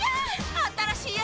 新しいやつ！